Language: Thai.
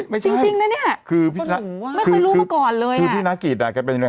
ไม่ใช่จริงนะเนี่ยไม่เคยรู้มาก่อนเลยอ่ะคือพี่นักกิจอ่ะ